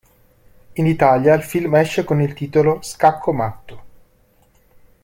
In Italia il film esce con il titolo "Scacco Matto".